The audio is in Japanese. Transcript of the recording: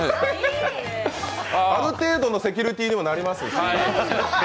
ある程度のセキュリティーにもなりますし。